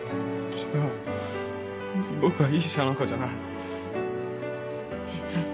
違う僕はいい医者なんかじゃない・いいえ